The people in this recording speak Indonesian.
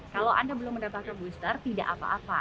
kalau anda belum mendapatkan booster tidak apa apa